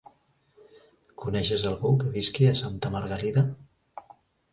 Coneixes algú que visqui a Santa Margalida?